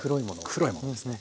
黒いものですね。